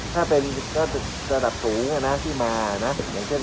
ถ้าเป็นแล้วก็สะดับสูงนะที่มานะอย่างเช่น